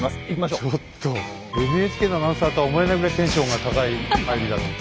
ちょっとＮＨＫのアナウンサーとは思えないぐらいテンションが高い入りだった。